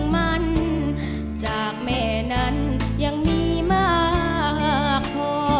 มันจากแม่นั้นยังมีมากพอ